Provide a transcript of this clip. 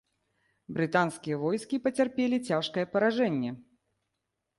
Брытанскія войскі пацярпелі цяжкае паражэнне.